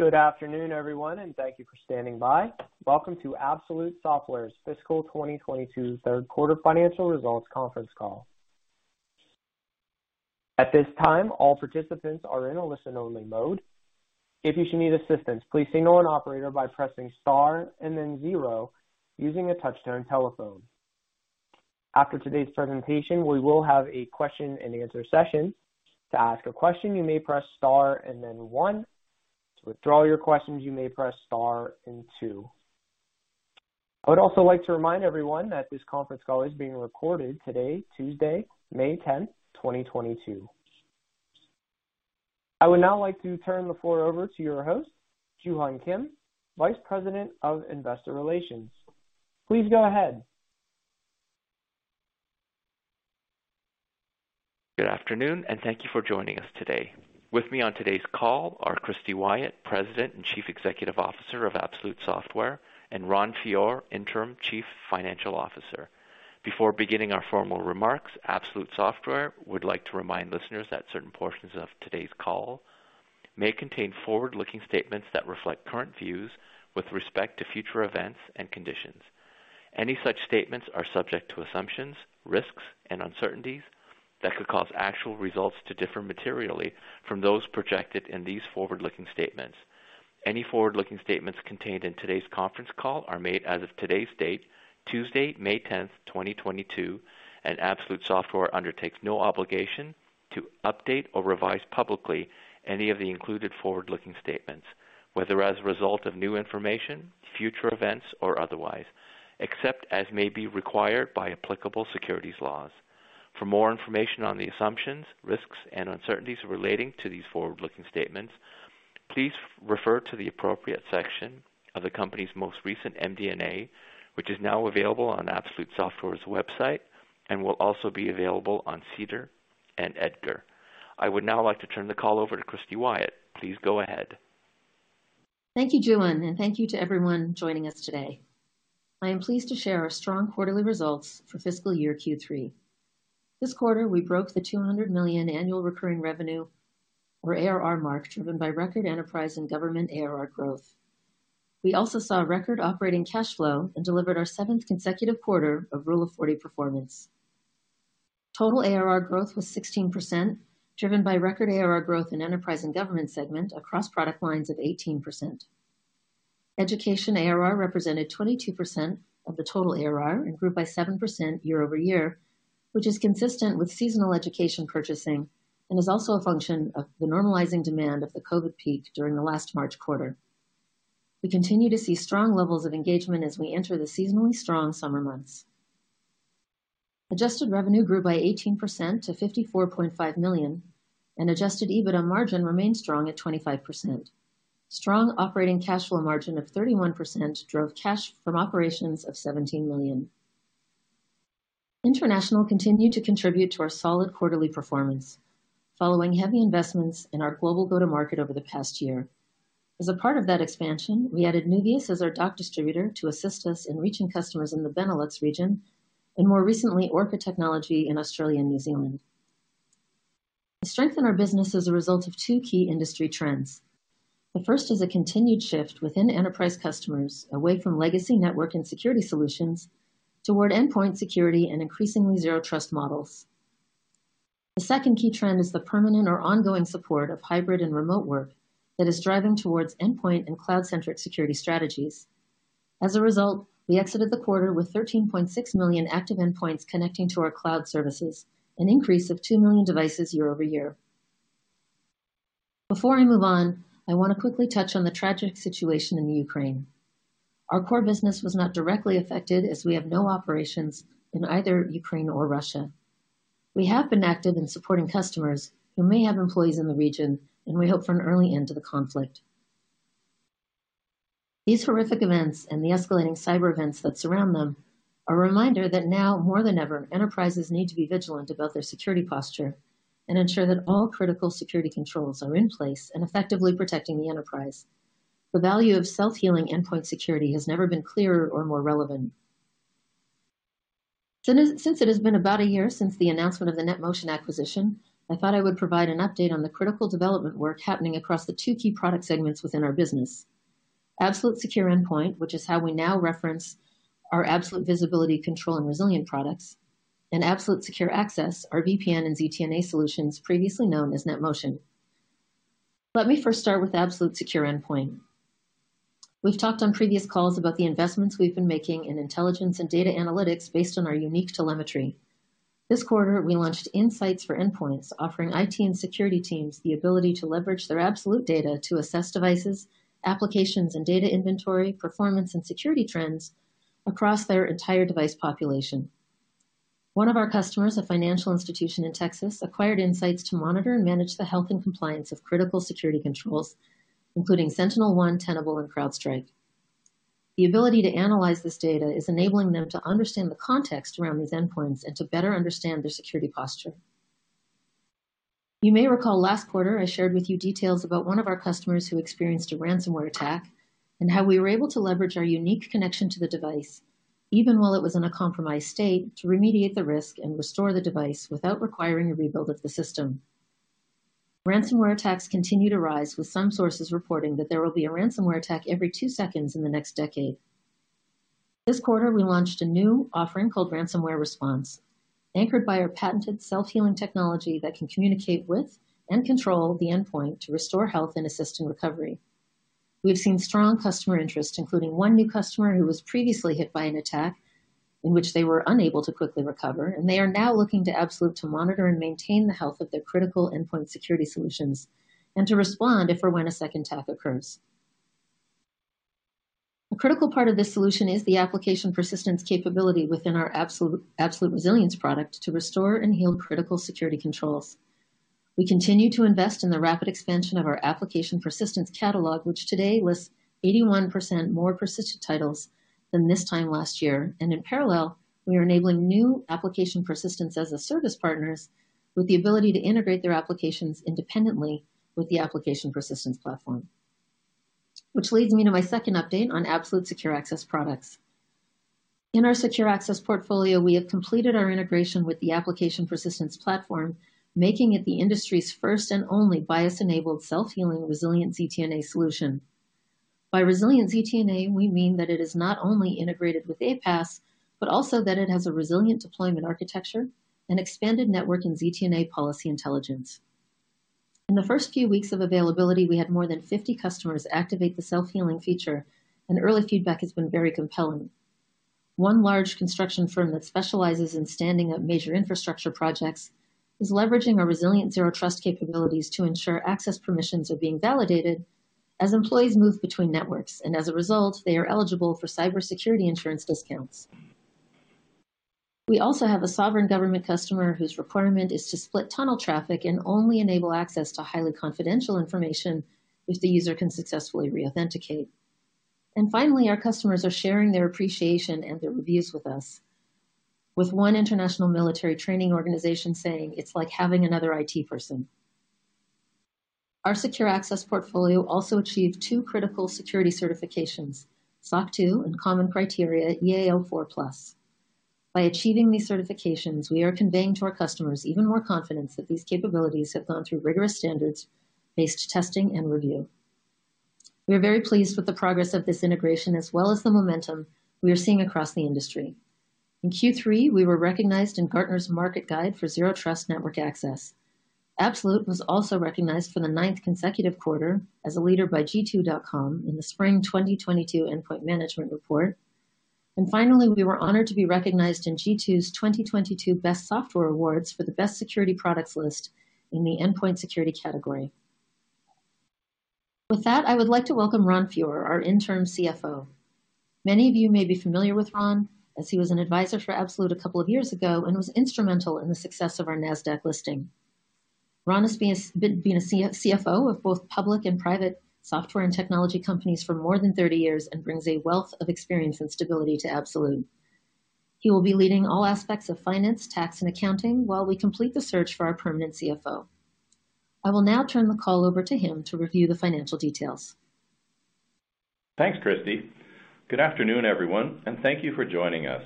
Good afternoon, everyone, and thank you for standing by. Welcome to Absolute Software's Fiscal 2022 Third Quarter Financial Results Conference Call. At this time, all participants are in a listen-only mode. If you should need assistance, please signal an operator by pressing star and then zero using a touch-tone telephone. After today's presentation, we will have a question-and-answer session. To ask a question, you may press star and then one. To withdraw your questions, you may press star and two. I would also like to remind everyone that this conference call is being recorded today, Tuesday, May tenth, 2022. I would now like to turn the floor over to your host, Joo-Hun Kim, Vice President of Investor Relations. Please go ahead. Good afternoon, and thank you for joining us today. With me on today's call are Christy Wyatt, President and Chief Executive Officer of Absolute Software, and Ron Fior, Interim Chief Financial Officer. Before beginning our formal remarks, Absolute Software would like to remind listeners that certain portions of today's call may contain forward-looking statements that reflect current views with respect to future events and conditions. Any such statements are subject to assumptions, risks, and uncertainties that could cause actual results to differ materially from those projected in these forward-looking statements. Any forward-looking statements contained in today's conference call are made as of today's date, Tuesday, May 10th, 2022, and Absolute Software undertakes no obligation to update or revise publicly any of the included forward-looking statements, whether as a result of new information, future events, or otherwise, except as may be required by applicable securities laws. For more information on the assumptions, risks, and uncertainties relating to these forward-looking statements, please refer to the appropriate section of the company's most recent MD&A, which is now available on Absolute Software's website and will also be available on SEDAR and EDGAR. I would now like to turn the call over to Christy Wyatt. Please go ahead. Thank you, Joo-Hun, and thank you to everyone joining us today. I am pleased to share our strong quarterly results for fiscal year Q3. This quarter, we broke the $200 million ARR mark, driven by record enterprise and government ARR growth. We also saw record operating cash flow and delivered our seventh consecutive quarter of Rule of 40 performance. Total ARR growth was 16%, driven by record ARR growth in enterprise and government segment across product lines of 18%. Education ARR represented 22% of the total ARR and grew by 7% year-over-year, which is consistent with seasonal education purchasing and is also a function of the normalizing demand of the COVID peak during the last March quarter. We continue to see strong levels of engagement as we enter the seasonally strong summer months. Adjusted revenue grew by 18% to $54.5 million, and adjusted EBITDA margin remained strong at 25%. Strong operating cash flow margin of 31% drove cash from operations of $17 million. International continued to contribute to our solid quarterly performance following heavy investments in our global go-to-market over the past year. As a part of that expansion, we added Nuvias as our DACH distributor to assist us in reaching customers in the Benelux region and more recently, Orca Technology in Australia and New Zealand. The strength in our business is a result of two key industry trends. The first is a continued shift within enterprise customers away from legacy network and security solutions toward endpoint security and increasingly zero trust models. The second key trend is the permanent or ongoing support of hybrid and remote work that is driving towards endpoint and cloud-centric security strategies. As a result, we exited the quarter with 13.6 million active endpoints connecting to our cloud services, an increase of two million devices year-over-year. Before I move on, I wanna quickly touch on the tragic situation in Ukraine. Our core business was not directly affected as we have no operations in either Ukraine or Russia. We have been active in supporting customers who may have employees in the region, and we hope for an early end to the conflict. These horrific events and the escalating cyber events that surround them are a reminder that now more than ever, enterprises need to be vigilant about their security posture and ensure that all critical security controls are in place and effectively protecting the enterprise. The value of self-healing endpoint security has never been clearer or more relevant. Since it has been about a year since the announcement of the NetMotion acquisition, I thought I would provide an update on the critical development work happening across the two key product segments within our business. Absolute Secure Endpoint, which is how we now reference our Absolute Visibility, Control, and Resilience products, and Absolute Secure Access, our VPN and ZTNA solutions previously known as NetMotion. Let me first start with Absolute Secure Endpoint. We've talked on previous calls about the investments we've been making in intelligence and data analytics based on our unique telemetry. This quarter, we launched Insights for Endpoints, offering IT and security teams the ability to leverage their Absolute data to assess devices, applications, and data inventory, performance, and security trends across their entire device population. One of our customers, a financial institution in Texas, acquired Insights to monitor and manage the health and compliance of critical security controls, including SentinelOne, Tenable, and CrowdStrike. The ability to analyze this data is enabling them to understand the context around these endpoints and to better understand their security posture. You may recall last quarter, I shared with you details about one of our customers who experienced a ransomware attack. How we were able to leverage our unique connection to the device even while it was in a compromised state, to remediate the risk and restore the device without requiring a rebuild of the system. Ransomware attacks continue to rise, with some sources reporting that there will be a ransomware attack every two seconds in the next decade. This quarter, we launched a new offering called Ransomware Response, anchored by our patented self-healing technology that can communicate with and control the endpoint to restore health and assist in recovery. We have seen strong customer interest, including one new customer who was previously hit by an attack in which they were unable to quickly recover, and they are now looking to Absolute to monitor and maintain the health of their critical endpoint security solutions and to respond if or when a second attack occurs. A critical part of this solution is the Application Persistence capability within our Absolute Resilience product to restore and heal critical security controls. We continue to invest in the rapid expansion of our Application Persistence catalog, which today lists 81% more persistent titles than this time last year. In parallel, we are enabling new Application Persistence as a Service partners with the ability to integrate their applications independently with the Application Persistence platform. Which leads me to my second update on Absolute Secure Access products. In our Secure Access portfolio, we have completed our integration with the Application Persistence platform, making it the industry's first and only BIOS-enabled, self-healing, resilient ZTNA solution. By resilient ZTNA, we mean that it is not only integrated with APaaS, but also that it has a resilient deployment architecture and expanded network and ZTNA policy intelligence. In the first few weeks of availability, we had more than 50 customers activate the self-healing feature, and early feedback has been very compelling. One large construction firm that specializes in standing up major infrastructure projects is leveraging our resilient zero trust capabilities to ensure access permissions are being validated as employees move between networks. As a result, they are eligible for cybersecurity insurance discounts. We also have a sovereign government customer whose requirement is to split tunnel traffic and only enable access to highly confidential information if the user can successfully reauthenticate. Finally, our customers are sharing their appreciation and their reviews with us, with one international military training organization saying, "It's like having another IT person." Our Secure Access portfolio also achieved two critical security certifications, SOC 2 and Common Criteria EAL4+. By achieving these certifications, we are conveying to our customers even more confidence that these capabilities have gone through rigorous standards-based testing and review. We are very pleased with the progress of this integration as well as the momentum we are seeing across the industry. In Q3, we were recognized in Gartner's Market Guide for Zero Trust Network Access. Absolute was also recognized for the ninth consecutive quarter as a leader by G2.com in the Spring 2022 Endpoint Management Report. Finally, we were honored to be recognized in G2's 2022 Best Software Awards for the Best Security Products list in the endpoint security category. With that, I would like to welcome Ron Fior, our interim CFO. Many of you may be familiar with Ron, as he was an advisor for Absolute a couple of years ago and was instrumental in the success of our Nasdaq listing. Ron has been a CFO of both public and private software and technology companies for more than 30 years and brings a wealth of experience and stability to Absolute. He will be leading all aspects of finance, tax, and accounting while we complete the search for our permanent CFO. I will now turn the call over to him to review the financial details. Thanks, Christy. Good afternoon, everyone, and thank you for joining us.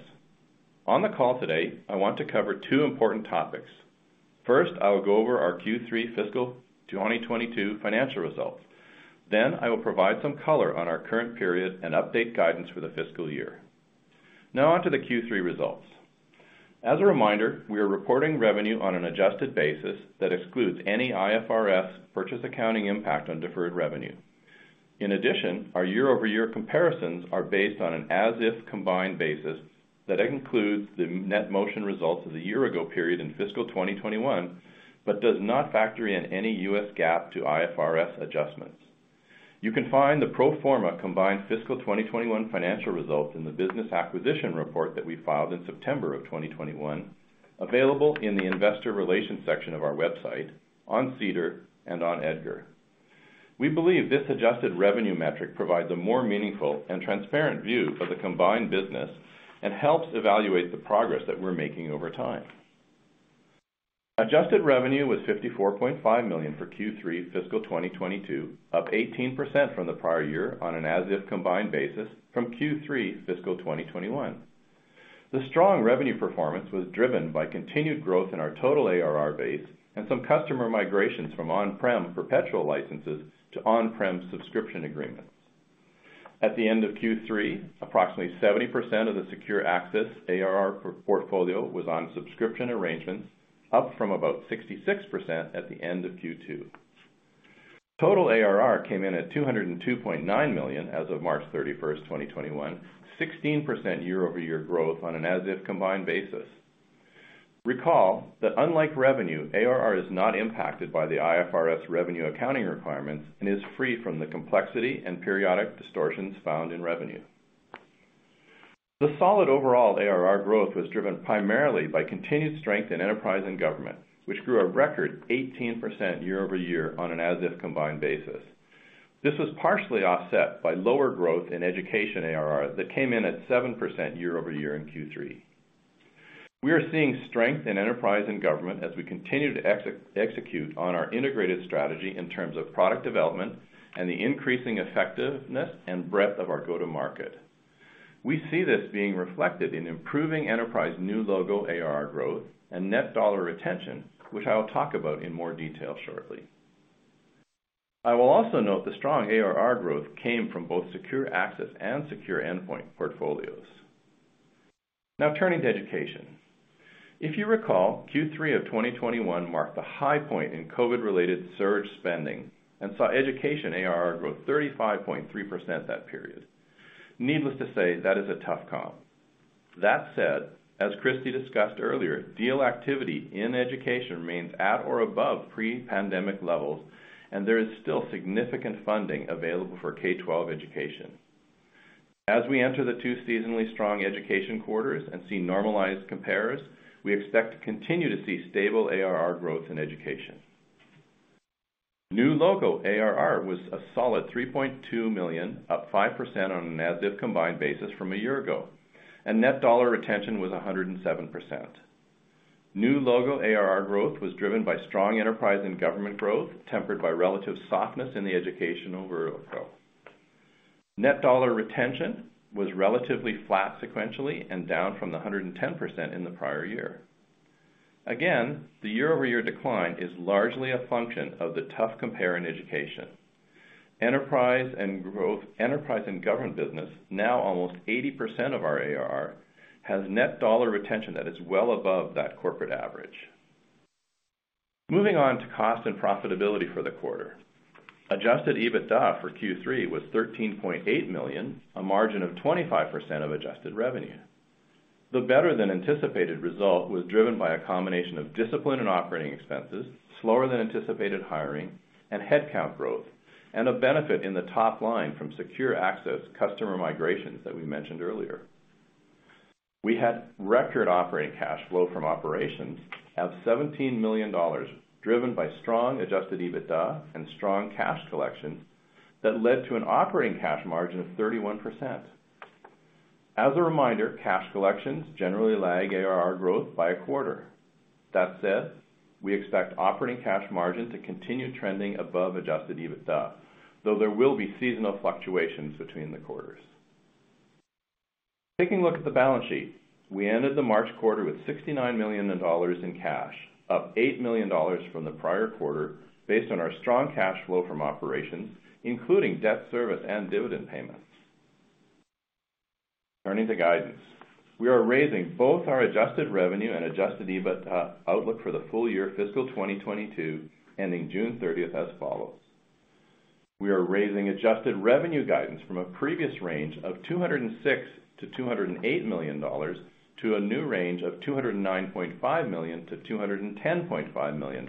On the call today, I want to cover two important topics. First, I will go over our Q3 fiscal 2022 financial results. Then I will provide some color on our current period and update guidance for the fiscal year. Now onto the Q3 results. As a reminder, we are reporting revenue on an adjusted basis that excludes any IFRS purchase accounting impact on deferred revenue. In addition, our year-over-year comparisons are based on an as-if combined basis that includes the NetMotion results of the year-ago period in fiscal 2021, but does not factor in any US GAAP to IFRS adjustments. You can find the pro forma combined fiscal 2021 financial results in the business acquisition report that we filed in September 2021, available in the investor relations section of our website, on SEDAR, and on EDGAR. We believe this adjusted revenue metric provides a more meaningful and transparent view of the combined business and helps evaluate the progress that we're making over time. Adjusted revenue was $54.5 million for Q3 fiscal 2022, up 18% from the prior year on an as-if combined basis from Q3 fiscal 2021. The strong revenue performance was driven by continued growth in our total ARR base and some customer migrations from on-prem perpetual licenses to on-prem subscription agreements. At the end of Q3, approximately 70% of the Secure Access ARR portfolio was on subscription arrangements, up from about 66% at the end of Q2. Total ARR came in at $202.9 million as of March 31, 2021, 16% year-over-year growth on an as-if combined basis. Recall that unlike revenue, ARR is not impacted by the IFRS revenue accounting requirements and is free from the complexity and periodic distortions found in revenue. The solid overall ARR growth was driven primarily by continued strength in enterprise and government, which grew a record 18% year over year on an as-if combined basis. This was partially offset by lower growth in education ARR that came in at 7% year over year in Q3. We are seeing strength in enterprise and government as we continue to execute on our integrated strategy in terms of product development and the increasing effectiveness and breadth of our go-to-market. We see this being reflected in improving enterprise new logo ARR growth and net dollar retention, which I'll talk about in more detail shortly. I will also note the strong ARR growth came from both secure access and secure endpoint portfolios. Now turning to education. If you recall, Q3 of 2021 marked the high point in COVID-related surge spending and saw education ARR grow 35.3% that period. Needless to say, that is a tough comp. That said, as Christy discussed earlier, deal activity in education remains at or above pre-pandemic levels, and there is still significant funding available for K-12 education. As we enter the two seasonally strong education quarters and see normalized comps, we expect to continue to see stable ARR growth in education. New logo ARR was a solid $3.2 million, up 5% on an as-if combined basis from a year ago, and net dollar retention was 107%. New logo ARR growth was driven by strong enterprise and government growth, tempered by relative softness in the education overall. Net dollar retention was relatively flat sequentially and down from the 110% in the prior year. Again, the year-over-year decline is largely a function of the tough compare in education. Enterprise and government business, now almost 80% of our ARR, has net dollar retention that is well above that corporate average. Moving on to cost and profitability for the quarter. Adjusted EBITDA for Q3 was $13.8 million, a margin of 25% of adjusted revenue. The better than anticipated result was driven by a combination of discipline and operating expenses, slower than anticipated hiring and headcount growth, and a benefit in the top line from secure access customer migrations that we mentioned earlier. We had record operating cash flow from operations of $17 million, driven by strong Adjusted EBITDA and strong cash collections that led to an operating cash margin of 31%. As a reminder, cash collections generally lag ARR growth by a quarter. That said, we expect operating cash margin to continue trending above Adjusted EBITDA, though there will be seasonal fluctuations between the quarters. Taking a look at the balance sheet. We ended the March quarter with $69 million in cash, up $8 million from the prior quarter based on our strong cash flow from operations, including debt service and dividend payments. Turning to guidance. We are raising both our Adjusted revenue and Adjusted EBITDA outlook for the full year fiscal 2022 ending June 30 as follows. We are raising Adjusted revenue guidance from a previous range of $206 million-$208 million to a new range of $209.5 million-$210.5 million.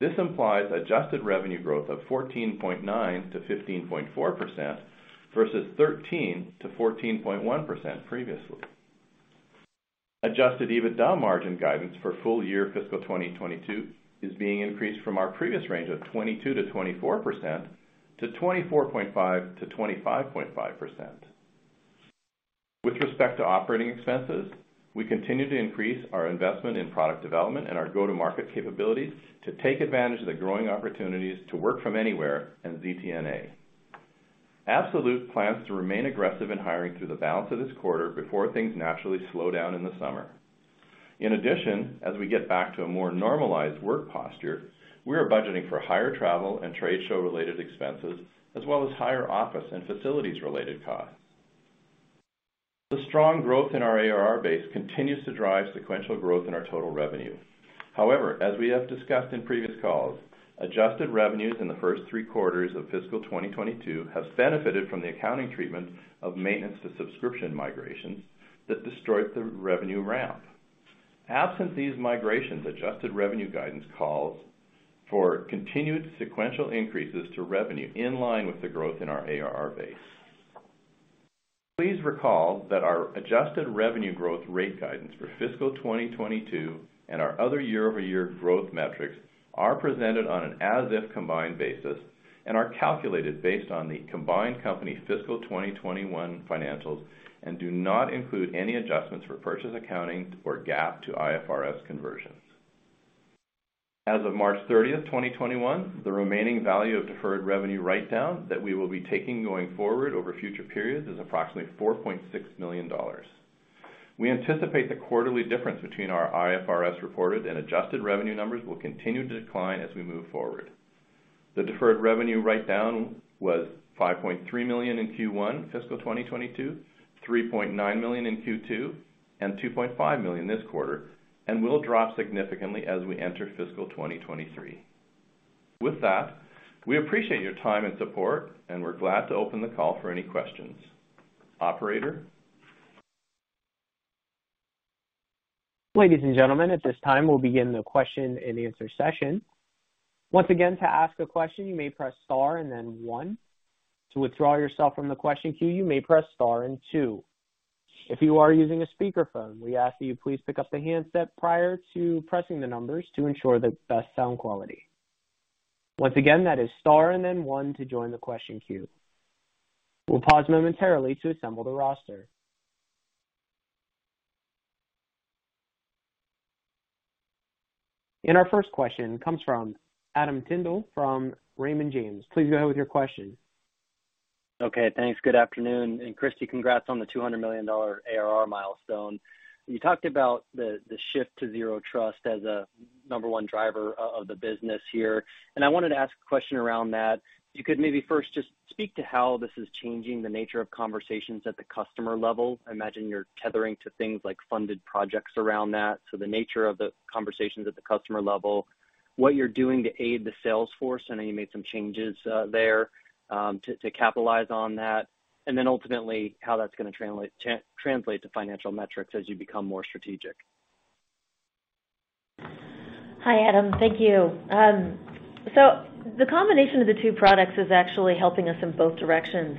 This implies Adjusted revenue growth of 14.9%-15.4% versus 13%-14.1% previously. Adjusted EBITDA margin guidance for full year fiscal 2022 is being increased from our previous range of 22%-24% to 24.5%-25.5%. With respect to operating expenses, we continue to increase our investment in product development and our go-to-market capabilities to take advantage of the growing opportunities to work from anywhere in ZTNA. Absolute plans to remain aggressive in hiring through the balance of this quarter before things naturally slow down in the summer. In addition, as we get back to a more normalized work posture, we are budgeting for higher travel and trade show-related expenses, as well as higher office and facilities-related costs. The strong growth in our ARR base continues to drive sequential growth in our total revenue. However, as we have discussed in previous calls, adjusted revenues in the first three quarters of fiscal 2022 have benefited from the accounting treatment of maintenance to subscription migrations that distort the revenue ramp. Absent these migrations, adjusted revenue guidance calls for continued sequential increases to revenue in line with the growth in our ARR base. Please recall that our adjusted revenue growth rate guidance for fiscal 2022 and our other year-over-year growth metrics are presented on an as-if combined basis and are calculated based on the combined company fiscal 2021 financials and do not include any adjustments for purchase accounting or GAAP to IFRS conversions. As of March 30, 2021, the remaining value of deferred revenue write-down that we will be taking going forward over future periods is approximately $4.6 million. We anticipate the quarterly difference between our IFRS reported and adjusted revenue numbers will continue to decline as we move forward. The deferred revenue write-down was $5.3 million in Q1 fiscal 2022, $3.9 million in Q2, and $2.5 million this quarter, and will drop significantly as we enter fiscal 2023. With that, we appreciate your time and support, and we're glad to open the call for any questions. Operator? Ladies and gentlemen, at this time, we'll begin the question and answer session. Once again, to ask a question, you may press star and then one. To withdraw yourself from the question queue, you may press star and two. If you are using a speakerphone, we ask that you please pick up the handset prior to pressing the numbers to ensure the best sound quality. Once again, that is star and then one to join the question queue. We'll pause momentarily to assemble the roster. Our first question comes from Adam Tindle from Raymond James. Please go ahead with your question. Okay, thanks. Good afternoon. Christy, congrats on the $200 million ARR milestone. You talked about the shift to Zero Trust as a number one driver of the business here, and I wanted to ask a question around that. If you could maybe first just speak to how this is changing the nature of conversations at the customer level. I imagine you're tethering to things like funded projects around that. The nature of the conversations at the customer level, what you're doing to aid the sales force, I know you made some changes there to capitalize on that, and then ultimately how that's gonna translate to financial metrics as you become more strategic. Hi, Adam. Thank you. The combination of the two products is actually helping us in both directions.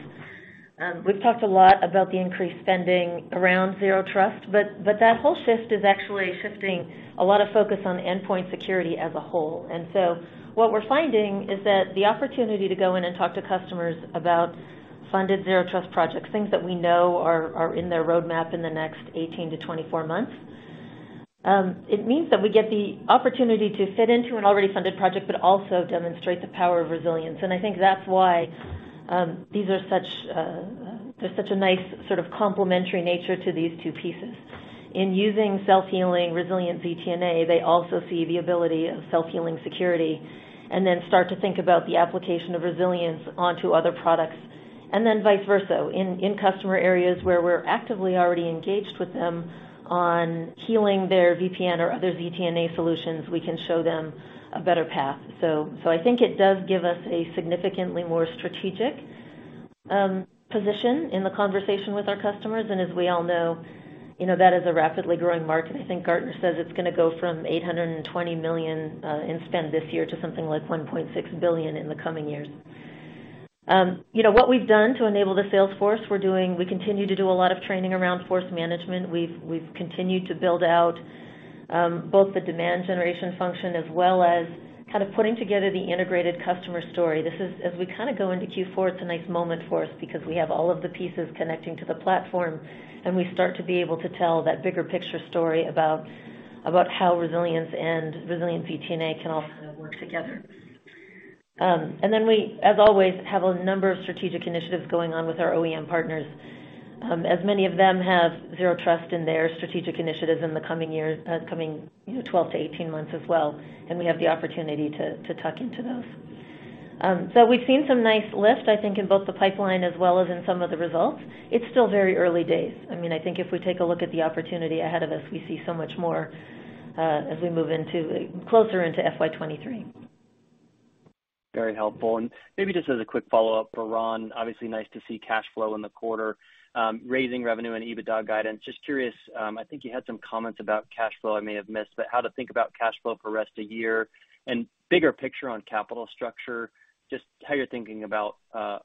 We've talked a lot about the increased spending around Zero Trust, but that whole shift is actually shifting a lot of focus on endpoint security as a whole. What we're finding is that the opportunity to go in and talk to customers about funded Zero Trust projects, things that we know are in their roadmap in the next 18-24 months, it means that we get the opportunity to fit into an already funded project, but also demonstrate the power of resilience. I think that's why these are such there's such a nice sort of complementary nature to these two pieces. In using self-healing Resilient ZTNA, they also see the ability of self-healing security, and then start to think about the application of resilience onto other products. Vice versa, in customer areas where we're actively already engaged with them on healing their VPN or other ZTNA solutions, we can show them a better path. I think it does give us a significantly more strategic position in the conversation with our customers. As we all know, you know, that is a rapidly growing market. I think Gartner says it's gonna go from $820 million in spend this year to something like $1.6 billion in the coming years. You know, what we've done to enable the sales force, we continue to do a lot of training around Force Management. We've continued to build out both the demand generation function as well as kind of putting together the integrated customer story. As we kinda go into Q4, it's a nice moment for us because we have all of the pieces connecting to the platform, and we start to be able to tell that bigger picture story about how Resilience and Resilient ZTNA can all kinda work together. Then we, as always, have a number of strategic initiatives going on with our OEM partners, as many of them have Zero Trust in their strategic initiatives in the coming years, you know, 12-18 months as well, and we have the opportunity to tuck into those. We've seen some nice lift, I think, in both the pipeline as well as in some of the results. It's still very early days. I mean, I think if we take a look at the opportunity ahead of us, we see so much more, as we move closer into FY 2023. Very helpful. Maybe just as a quick follow-up for Ron, obviously nice to see cash flow in the quarter, raising revenue and EBITDA guidance. Just curious, I think you had some comments about cash flow I may have missed, but how to think about cash flow for rest of year and bigger picture on capital structure, just how you're thinking about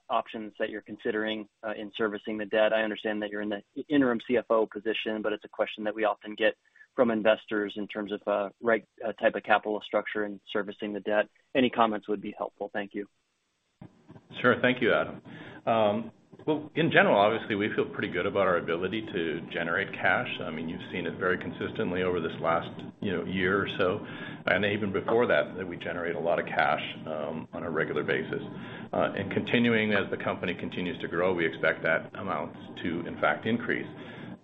options that you're considering in servicing the debt. I understand that you're in the interim CFO position, but it's a question that we often get from investors in terms of right type of capital structure and servicing the debt. Any comments would be helpful. Thank you. Sure. Thank you, Adam. Well, in general, obviously, we feel pretty good about our ability to generate cash. I mean, you've seen it very consistently over this last, you know, year or so. Even before that we generate a lot of cash, on a regular basis. Continuing as the company continues to grow, we expect that amount to in fact increase.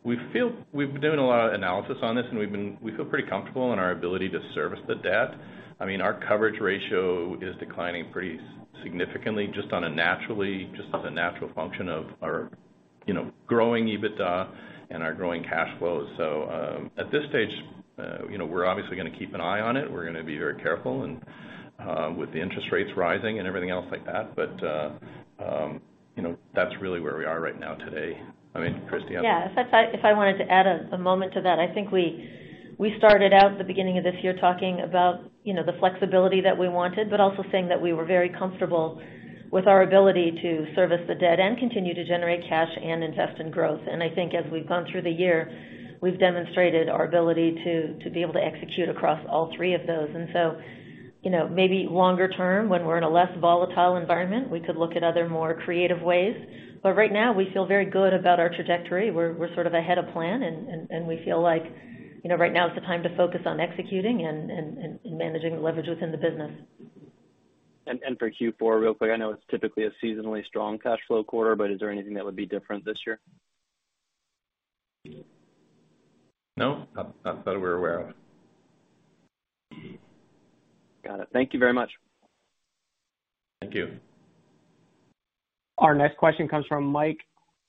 We've been doing a lot of analysis on this, and we feel pretty comfortable in our ability to service the debt. I mean, our coverage ratio is declining pretty significantly just on a naturally, just as a natural function of our, you know, growing EBITDA and our growing cash flows. At this stage, you know, we're obviously gonna keep an eye on it. We're gonna be very careful and with the interest rates rising and everything else like that. You know, that's really where we are right now today. I mean, Christy has- Yeah. If I wanted to add a moment to that, I think we started out at the beginning of this year talking about, you know, the flexibility that we wanted, but also saying that we were very comfortable with our ability to service the debt and continue to generate cash and invest in growth. I think as we've gone through the year, we've demonstrated our ability to be able to execute across all three of those. You know, maybe longer term, when we're in a less volatile environment, we could look at other more creative ways. Right now, we feel very good about our trajectory. We're sort of ahead of plan and we feel like, you know, right now is the time to focus on executing and managing the leverage within the business. For Q4, real quick, I know it's typically a seasonally strong cash flow quarter, but is there anything that would be different this year? No, not that we're aware of. Got it. Thank you very much. Thank you. Our next question comes from Mike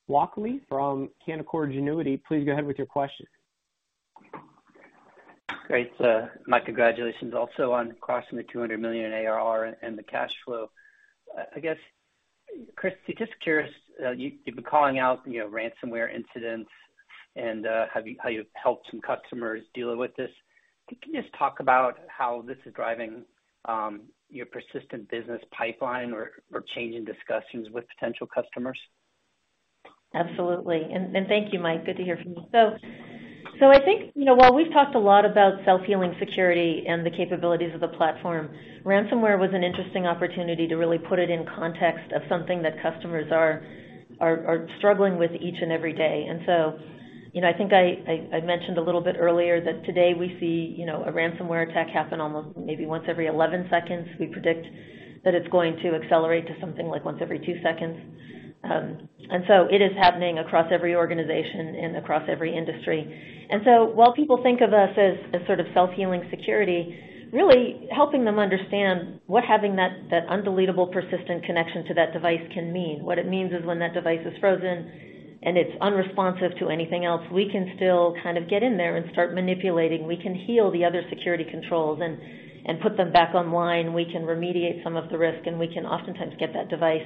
Walkley from Canaccord Genuity. Please go ahead with your question. Great. My congratulations also on crossing $200 million in ARR and the cash flow. I guess, Christy, just curious, you've been calling out, you know, ransomware incidents and how you've helped some customers deal with this. Can you just talk about how this is driving your persistent business pipeline or changing discussions with potential customers? Absolutely. Thank you, Mike. Good to hear from you. I think, you know, while we've talked a lot about self-healing security and the capabilities of the platform, ransomware was an interesting opportunity to really put it in context of something that customers are struggling with each and every day. You know, I think I mentioned a little bit earlier that today we see, you know, a ransomware attack happen almost maybe once every 11 seconds. We predict that it's going to accelerate to something like once every two seconds. It is happening across every organization and across every industry. While people think of us as a sort of self-healing security, really helping them understand what having that undeletable persistent connection to that device can mean. What it means is when that device is frozen and it's unresponsive to anything else, we can still kind of get in there and start manipulating. We can heal the other security controls and put them back online. We can remediate some of the risk. And we can oftentimes get that device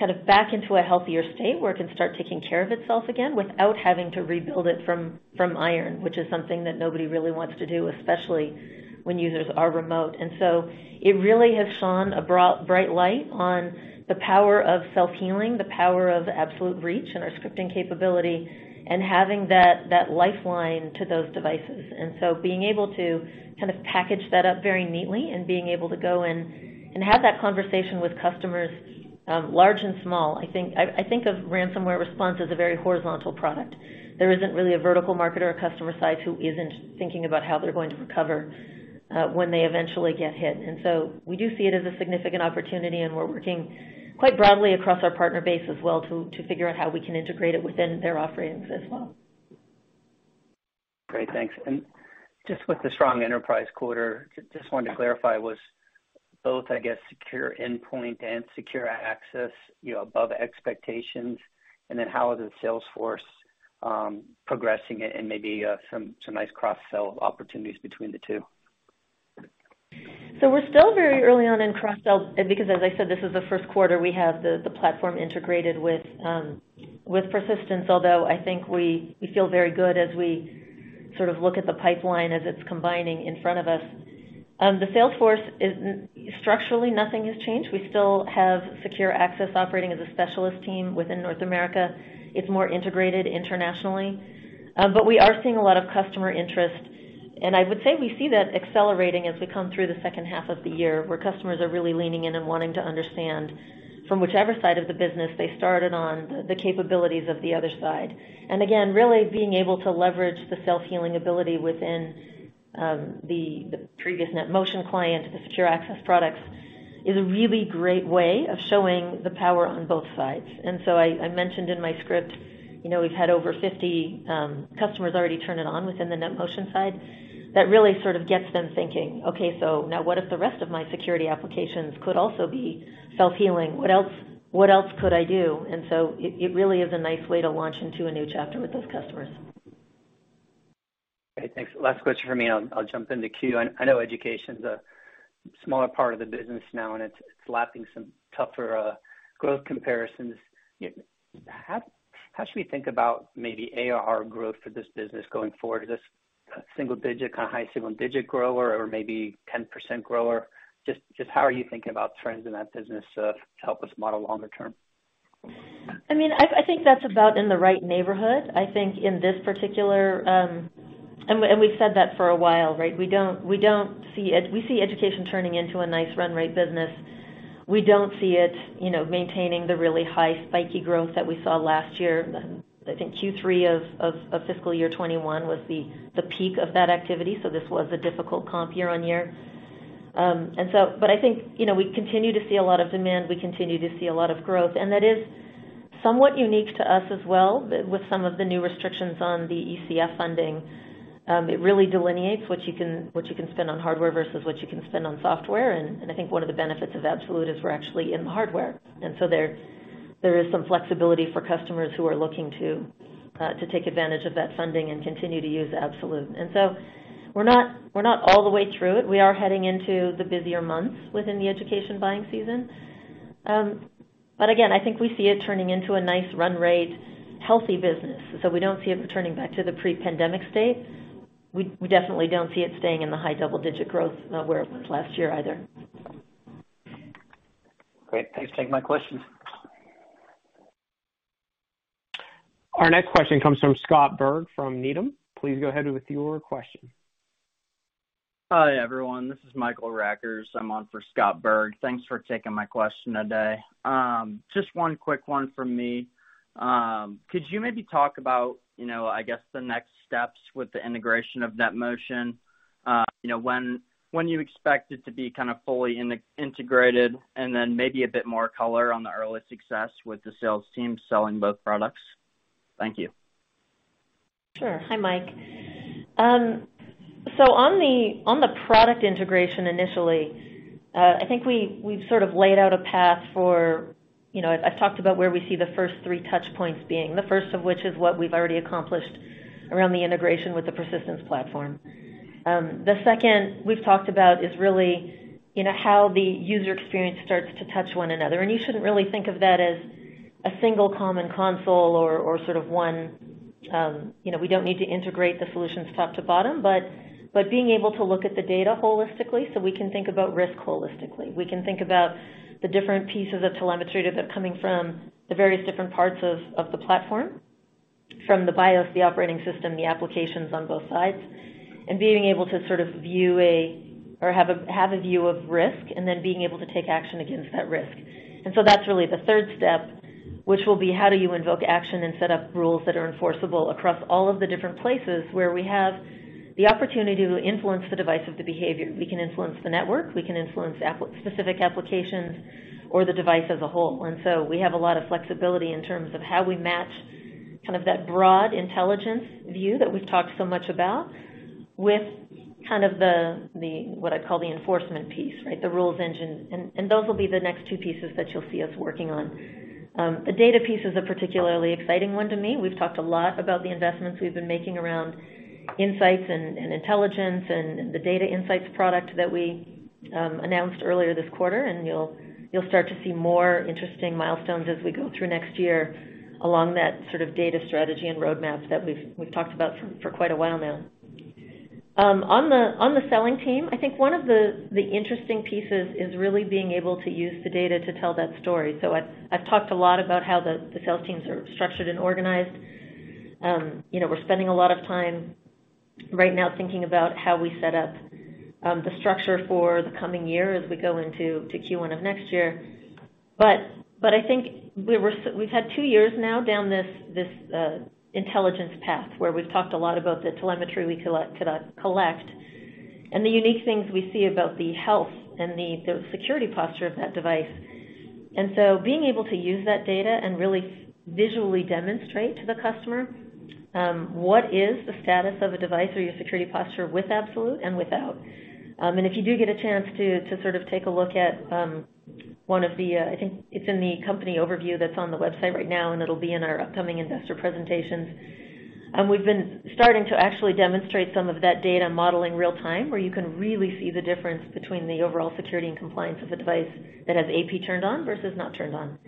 kind of back into a healthier state where it can start taking care of itself again without having to rebuild it from iron, which is something that nobody really wants to do, especially when users are remote. It really has shone a bright light on the power of self-healing, the power of absolute reach and our scripting capability, and having that lifeline to those devices. Being able to kind of package that up very neatly and being able to go and have that conversation with customers, large and small, I think of ransomware response as a very horizontal product. There isn't really a vertical market or a customer size who isn't thinking about how they're going to recover, when they eventually get hit. We do see it as a significant opportunity, and we're working quite broadly across our partner base as well to figure out how we can integrate it within their offerings as well. Great. Thanks. Just with the strong enterprise quarter, just wanted to clarify, was both, I guess, secure endpoint and secure access, you know, above expectations? Then how is the sales force progressing it and maybe some nice cross-sell opportunities between the two. We're still very early on in cross-sell because, as I said, this is the first quarter we have the platform integrated with Persistence. Although I think we feel very good as we sort of look at the pipeline as it's combining in front of us. Structurally, nothing has changed. We still have Secure Access operating as a specialist team within North America. It's more integrated internationally. We are seeing a lot of customer interest. I would say we see that accelerating as we come through the second half of the year, where customers are really leaning in and wanting to understand, from whichever side of the business they started on, the capabilities of the other side. Again, really being able to leverage the self-healing ability within the previous NetMotion client, the Secure Access products, is a really great way of showing the power on both sides. I mentioned in my script, you know, we've had over 50 customers already turn it on within the NetMotion side. That really sort of gets them thinking, okay, so now what if the rest of my security applications could also be self-healing? What else could I do? It really is a nice way to launch into a new chapter with those customers. Great. Thanks. Last question from me, and I'll jump in the queue. I know education's a smaller part of the business now, and it's lapping some tougher growth comparisons. How should we think about maybe ARR growth for this business going forward? Is this a single digit, kind of high single digit grower or maybe 10% grower? Just how are you thinking about trends in that business to help us model longer term? I mean, I think that's about in the right neighborhood. I think in this particular. We've said that for a while, right? We see education turning into a nice run rate business. We don't see it, you know, maintaining the really high spiky growth that we saw last year. I think Q3 of fiscal year 2021 was the peak of that activity, so this was a difficult comp year-over-year. I think, you know, we continue to see a lot of demand. We continue to see a lot of growth, and that is somewhat unique to us as well, with some of the new restrictions on the ECF funding. It really delineates what you can spend on hardware versus what you can spend on software. I think one of the benefits of Absolute is we're actually in the hardware. There is some flexibility for customers who are looking to take advantage of that funding and continue to use Absolute. We're not all the way through it. We are heading into the busier months within the education buying season. Again, I think we see it turning into a nice run rate, healthy business. We don't see it returning back to the pre-pandemic state. We definitely don't see it staying in the high double-digit growth where it was last year either. Great. Thanks for taking my questions. Our next question comes from Scott Berg from Needham. Please go ahead with your question. Hi, everyone. This is Michael Rackers. I'm on for Scott Berg. Thanks for taking my question today. Just one quick one from me. Could you maybe talk about, you know, I guess, the next steps with the integration of NetMotion, you know, when you expect it to be kind of fully integrated, and then maybe a bit more color on the early success with the sales team selling both products? Thank you. Sure. Hi, Mike. On the product integration initially, I think we've sort of laid out a path. You know, I've talked about where we see the first three touch points being, the first of which is what we've already accomplished around the integration with the Persistence platform. The second we've talked about is really, you know, how the user experience starts to touch one another. You shouldn't really think of that as a single common console or sort of one. You know, we don't need to integrate the solutions top to bottom, but being able to look at the data holistically so we can think about risk holistically. We can think about the different pieces of telemetry that are coming from the various different parts of the platform, from the BIOS, the operating system, the applications on both sides, and being able to sort of view or have a view of risk, and then being able to take action against that risk. That's really the third step, which will be how do you invoke action and set up rules that are enforceable across all of the different places where we have the opportunity to influence the device or the behavior. We can influence the network, we can influence specific applications or the device as a whole. We have a lot of flexibility in terms of how we match kind of that broad intelligence view that we've talked so much about with kind of the what I call the enforcement piece, right? The rules engine. Those will be the next two pieces that you'll see us working on. The data piece is a particularly exciting one to me. We've talked a lot about the investments we've been making around Insights and intelligence and the data Insights product that we announced earlier this quarter. You'll start to see more interesting milestones as we go through next year along that sort of data strategy and roadmaps that we've talked about for quite a while now. On the selling team, I think one of the interesting pieces is really being able to use the data to tell that story. I've talked a lot about how the sales teams are structured and organized. You know, we're spending a lot of time right now thinking about how we set up the structure for the coming year as we go into Q1 of next year. I think we've had two years now down this intelligence path where we've talked a lot about the telemetry we collect and the unique things we see about the health and the security posture of that device. Being able to use that data and really visually demonstrate to the customer what is the status of a device or your security posture with Absolute and without. If you do get a chance to sort of take a look at one of the, I think it's in the company overview that's on the website right now, and it'll be in our upcoming investor presentations. We've been starting to actually demonstrate some of that data modeling real time, where you can really see the difference between the overall security and compliance of a device that has AP turned on versus not turned on.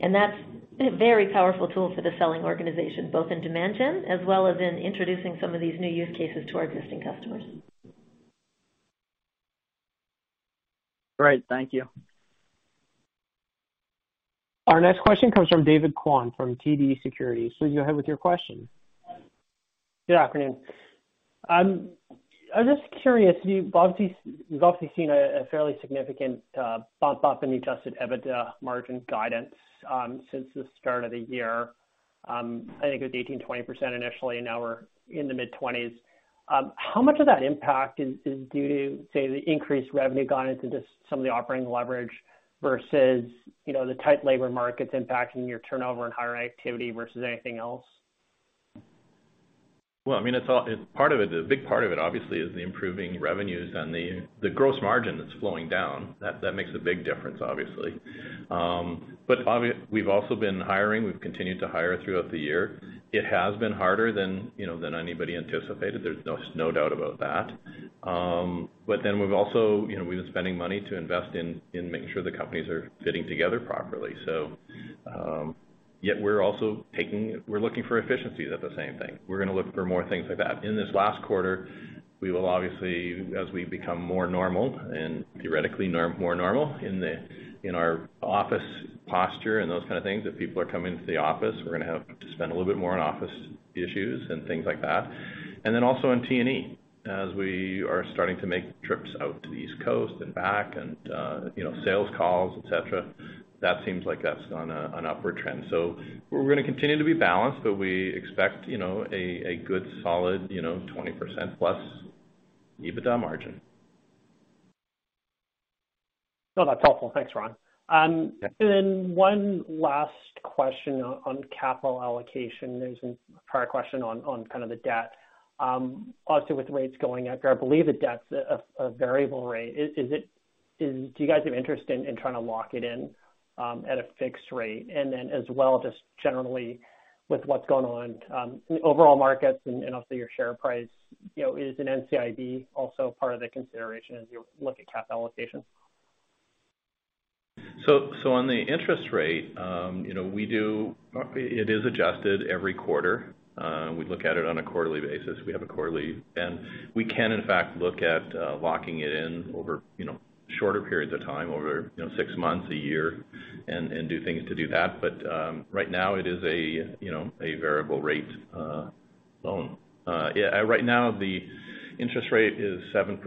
That's a very powerful tool for the selling organization, both in demand gen as well as in introducing some of these new use cases to our existing customers. Great. Thank you. Our next question comes from David Kwan from TD Securities. Please go ahead with your question. Good afternoon. I'm just curious, you've obviously seen a fairly significant bump up in Adjusted EBITDA margin guidance since the start of the year. I think it was 18%-20% initially, now we're in the mid-20s%. How much of that impact is due to, say, the increased revenue guidance and just some of the operating leverage versus, you know, the tight labor markets impacting your turnover and hiring activity versus anything else? Well, I mean, it's part of it, a big part of it obviously is the improving revenues and the gross margin that's flowing down. That makes a big difference, obviously. We've also been hiring. We've continued to hire throughout the year. It has been harder than, you know, anybody anticipated. There's no doubt about that. We've also, you know, we've been spending money to invest in making sure the companies are fitting together properly. Yet we're also looking for efficiencies at the same time. We're gonna look for more things like that. In this last quarter, we will obviously, as we become more normal and theoretically more normal in our office posture and those kind of things, if people are coming to the office, we're gonna have to spend a little bit more on office issues and things like that. Also in T&E, as we are starting to make trips out to the East Coast and back and, you know, sales calls, et cetera, that seems like that's on an upward trend. We're gonna continue to be balanced, but we expect, you know, a good solid, you know, 20%+ EBITDA margin. No, that's helpful. Thanks, Ron. Yeah. One last question on capital allocation. There's a prior question on kind of the debt. Obviously with rates going up, I believe the debt's a variable rate. Is it do you guys have interest in trying to lock it in at a fixed rate? As well, just generally with what's going on in the overall markets and obviously your share price, you know, is an NCIB also part of the consideration as you look at capital allocation? On the interest rate, it is adjusted every quarter. We look at it on a quarterly basis. We can in fact look at locking it in over shorter periods of time, over six months, a year, and do things to do that. But right now it is a variable rate loan. Right now the interest rate is 7%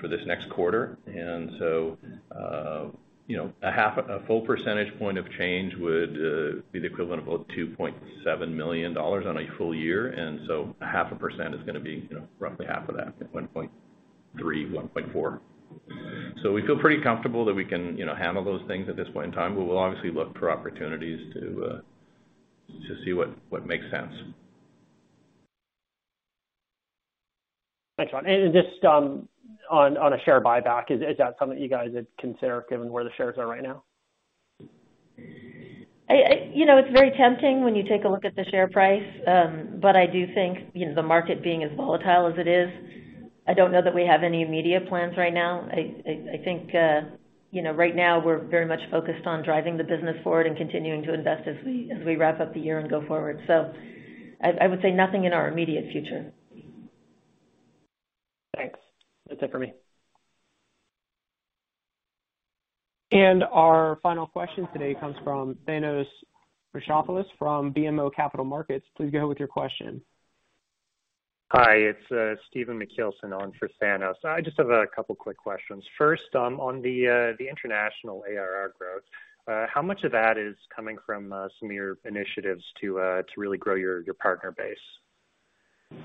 for this next quarter. A full percentage point of change would be the equivalent of about $2.7 million on a full year. A half a percent is gonna be roughly half of that, $1.3, $1.4. We feel pretty comfortable that we can, you know, handle those things at this point in time, but we'll obviously look for opportunities to see what makes sense. Thanks, Ron. Just on a share buyback, is that something you guys would consider given where the shares are right now? You know, it's very tempting when you take a look at the share price. But I do think, you know, the market being as volatile as it is. I don't know that we have any immediate plans right now. I think, you know, right now we're very much focused on driving the business forward and continuing to invest as we wrap up the year and go forward. I would say nothing in our immediate future. Thanks. That's it for me. Our final question today comes from Thanos Moschopoulos from BMO Capital Markets. Please go with your question. Hi, it's Stephen Macleod on for Thanos. I just have a couple quick questions. First, on the international ARR growth, how much of that is coming from some of your initiatives to really grow your partner base?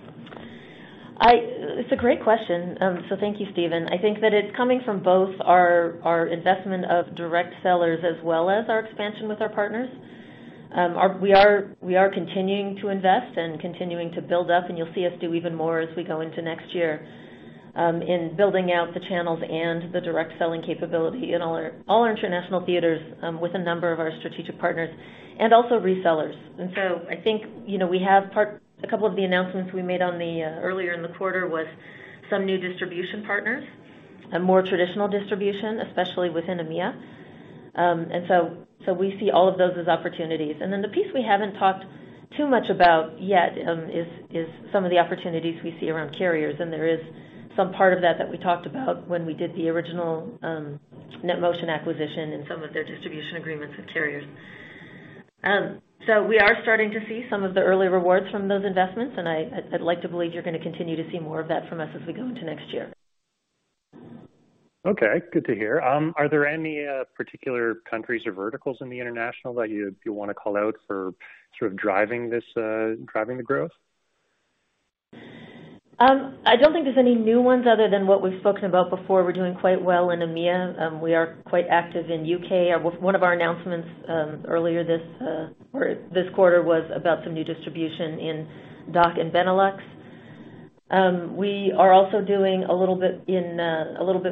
It's a great question. Thank you, Steven. I think that it's coming from both our investment of direct sellers as well as our expansion with our partners. We are continuing to invest and continuing to build up, and you'll see us do even more as we go into next year. In building out the channels and the direct selling capability in all our international theaters, with a number of our strategic partners and also resellers. I think, you know, we have part. A couple of the announcements we made on the earlier in the quarter was some new distribution partners, a more traditional distribution, especially within EMEA. We see all of those as opportunities. The piece we haven't talked too much about yet is some of the opportunities we see around carriers, and there is some part of that that we talked about when we did the original NetMotion acquisition and some of their distribution agreements with carriers. We are starting to see some of the early rewards from those investments, and I'd like to believe you're gonna continue to see more of that from us as we go into next year. Okay, good to hear. Are there any particular countries or verticals in the international that you wanna call out for sort of driving the growth? I don't think there's any new ones other than what we've spoken about before. We're doing quite well in EMEA. We are quite active in U.K. One of our announcements earlier this quarter was about some new distribution in DACH and Benelux. We are also doing a little bit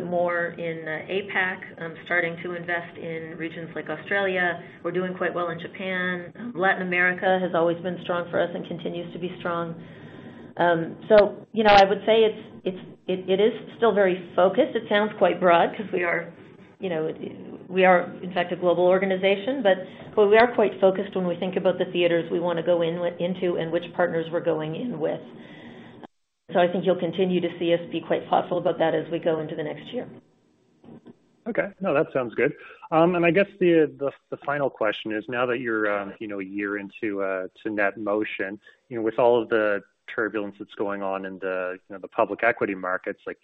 more in APAC. I'm starting to invest in regions like Australia. We're doing quite well in Japan. Latin America has always been strong for us and continues to be strong. You know, I would say it is still very focused. It sounds quite broad 'cause we are, you know, in fact, a global organization, but we are quite focused when we think about the theaters we wanna go into and which partners we're going in with. I think you'll continue to see us be quite thoughtful about that as we go into the next year. Okay. No, that sounds good. I guess the final question is, now that you're you know, a year into NetMotion, you know, with all of the turbulence that's going on in the you know, the public equity markets, like,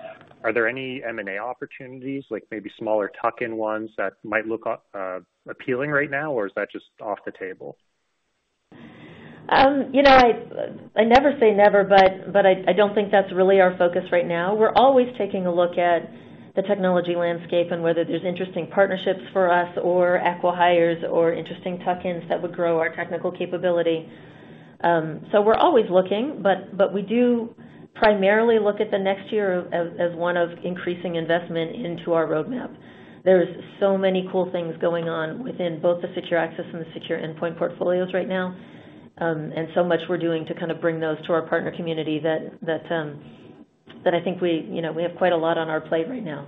are there any M&A opportunities, like maybe smaller tuck-in ones that might look appealing right now, or is that just off the table? You know, I never say never, but I don't think that's really our focus right now. We're always taking a look at the technology landscape and whether there's interesting partnerships for us or acquihires or interesting tuck-ins that would grow our technical capability. We're always looking, but we do primarily look at the next year as one of increasing investment into our roadmap. There's so many cool things going on within both the secure access and the secure endpoint portfolios right now. So much we're doing to kind of bring those to our partner community that I think we, you know, we have quite a lot on our plate right now.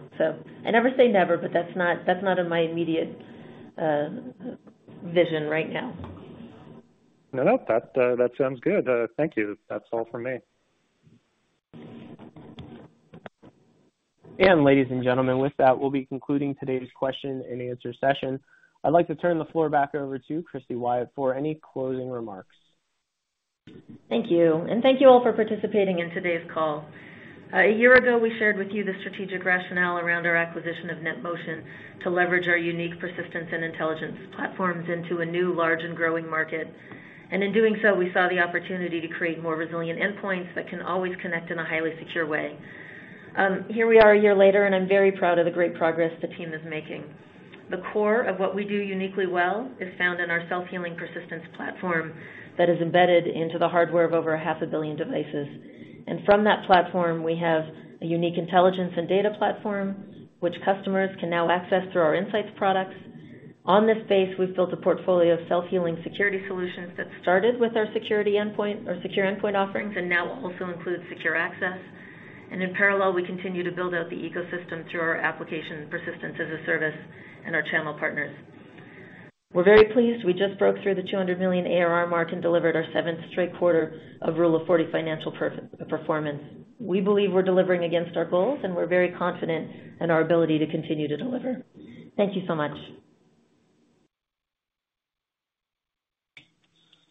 I never say never, but that's not in my immediate vision right now. No, no, that sounds good. Thank you. That's all for me. Ladies and gentlemen, with that, we'll be concluding today's question and answer session. I'd like to turn the floor back over to Christy Wyatt for any closing remarks. Thank you. Thank you all for participating in today's call. A year ago, we shared with you the strategic rationale around our acquisition of NetMotion to leverage our unique persistence and intelligence platforms into a new, large and growing market. In doing so, we saw the opportunity to create more resilient endpoints that can always connect in a highly secure way. Here we are a year later, and I'm very proud of the great progress the team is making. The core of what we do uniquely well is found in our self-healing persistence platform that is embedded into the hardware of over 500 million devices. From that platform, we have a unique intelligence and data platform, which customers can now access through our insights products. On this base, we've built a portfolio of self-healing security solutions that started with our security endpoint or secure endpoint offerings and now also includes secure access. In parallel, we continue to build out the ecosystem through our Application Persistence as a Service and our channel partners. We're very pleased. We just broke through the $200 million ARR mark and delivered our seventh straight quarter of Rule of 40 financial performance. We believe we're delivering against our goals, and we're very confident in our ability to continue to deliver. Thank you so much.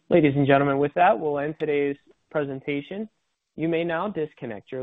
Ladies and gentlemen, with that, we'll end today's presentation. You may now disconnect your lines.